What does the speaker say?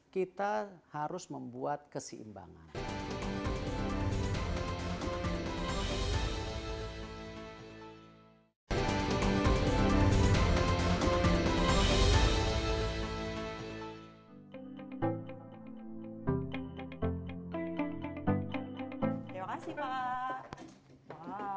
kita harus membuat kesimbangan